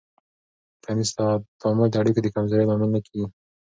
ټولنیز تعامل د اړیکو د کمزورۍ لامل نه کېږي.